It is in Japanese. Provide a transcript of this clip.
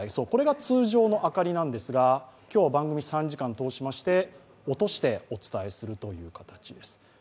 これが通常の明かりなんですが今日は番組、３時間通しまして落としてお伝えするという形です。